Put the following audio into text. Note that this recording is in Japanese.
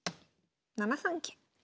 ７三桂。